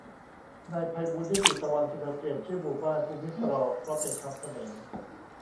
นายไพบูลย์ นิติตะวัน เสนอเปลี่ยนชื่อหมู่บ้าน "ภูมิซรอล" เพราะเป็นคำเขมร